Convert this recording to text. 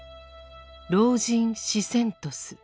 「老人死セントス」